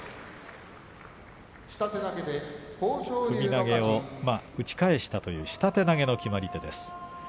首投げを打ち返したという下手投げの決まり手です。